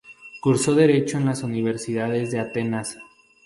Cursó derecho en la Universidad de Atenas.